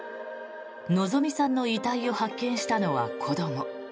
希美さんの遺体を発見したのは子ども。